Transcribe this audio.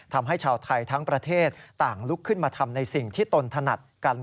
ทำให้ชาวไทยทั้งประเทศต่างลุกขึ้นมาทำในสิ่งที่ตนถนัดกัน